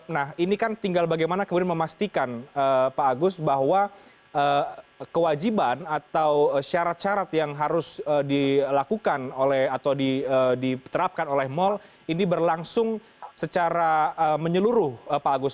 nah ini kan tinggal bagaimana kemudian memastikan pak agus bahwa kewajiban atau syarat syarat yang harus dilakukan oleh atau diterapkan oleh mal ini berlangsung secara menyeluruh pak agus